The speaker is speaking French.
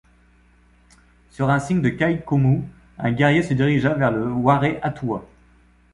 Sur un signe de Kai-Koumou, un guerrier se dirigea vers le Waré-Atoua.